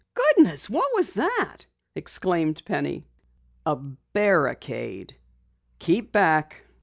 "Goodness! What was that?" exclaimed Penny. "A barricade. Keep back."